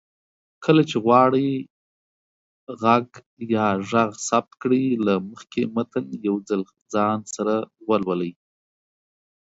کله چې غواړئ غږ ثبت کړئ، له مخکې متن يو ځل ځان سره ولولئ